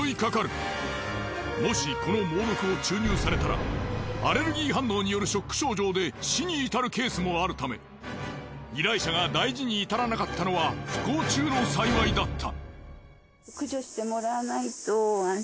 もしこの猛毒を注入されたらアレルギー反応によるショック症状で死に至るケースもあるため依頼者が大事に至らなかったのは不幸中の幸いだった。